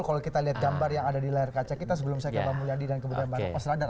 kalau kita lihat gambar yang ada di layar kaca kita sebelum saya ke pak mulyadi dan kemudian pak osradar